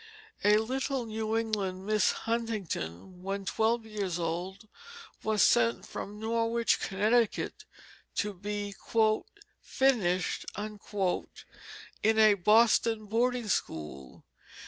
A little New England Miss Huntington, when twelve years old, was sent from Norwich, Connecticut, to be "finished" in a Boston boarding school.